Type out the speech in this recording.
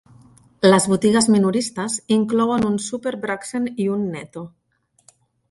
Les botigues minoristes inclouen un SuperBrugsen i un Netto.